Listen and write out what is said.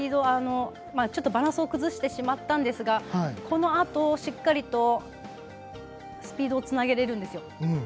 ちょっとバランスを崩してしまったんですがこのあと、しっかりとスピードをつなげられるんです。